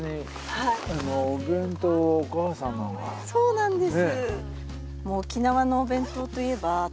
そうなんです。